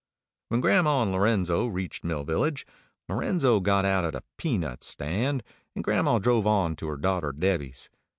When grandma and Lorenzo reached Mill Village, Lorenzo got out at a pea nut stand, and grandma drove on to her daughter Debby's.